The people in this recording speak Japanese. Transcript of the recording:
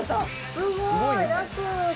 すごーい。